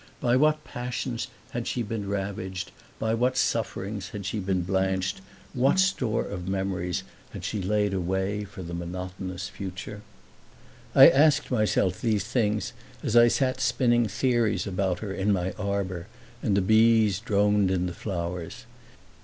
By what passions had she been ravaged, by what sufferings had she been blanched, what store of memories had she laid away for the monotonous future? I asked myself these things as I sat spinning theories about her in my arbor and the bees droned in the flowers.